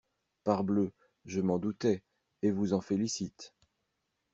Parbleu, je m'en doutais et vous en félicite.